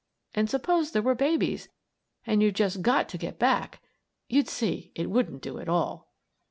And suppose there were babies and you'd just got to get back you see it wouldn't do at all!